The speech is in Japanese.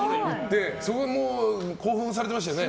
そこも興奮されてましたね。